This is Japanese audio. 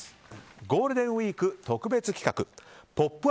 ゴールデンウィーク特別企画「ポップＵＰ！」